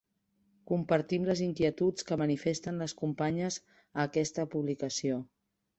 Compartim les inquietuds que manifesten les companyes a aquesta publicació.